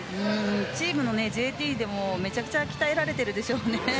チームのＪＴでもめちゃくちゃ鍛えられているでしょうね。